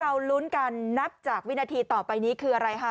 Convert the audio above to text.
เราลุ้นกันนับจากวินาทีต่อไปนี้คืออะไรคะ